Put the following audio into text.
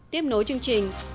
tiếp nối chương trình